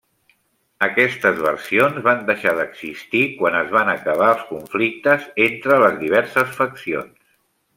Aquestes versions van deixar d'existir quan es van acabar els conflictes entre les diverses faccions.